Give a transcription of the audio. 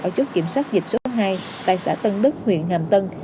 ở chốt kiểm soát dịch số hai tại xã tân đức huyện hàm tân